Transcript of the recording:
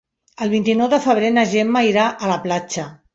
El vint-i-nou de febrer na Gemma irà a la platja.